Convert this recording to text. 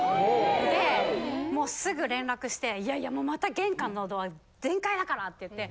でもうすぐ連絡して「いやいやまた玄関のドア全開だから」って言って。